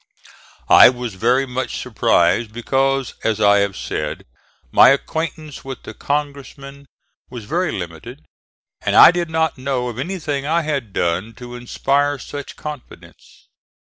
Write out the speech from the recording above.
I was very much surprised because, as I have said, my acquaintance with the Congressmen was very limited and I did not know of anything I had done to inspire such confidence.